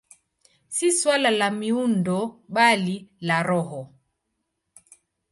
Si suala la miundo, bali la roho.